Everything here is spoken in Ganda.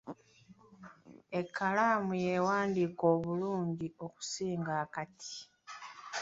Ekkalaamu y’ewandiika obulungi okusinga akati.